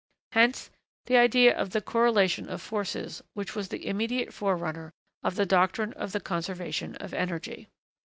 Hence the idea of the 'correlation of forces' which was the immediate forerunner of the doctrine of the conservation of energy.